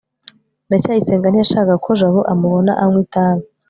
ndacyayisenga ntiyashakaga ko jabo amubona anywa itabi